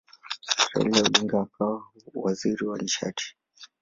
Raila Odinga akawa waziri wa nishati.